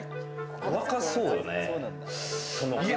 若そうよね。